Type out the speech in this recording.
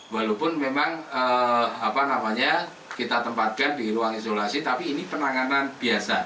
walaupun memang kita tempatkan di ruang isolasi tapi ini penanganan biasa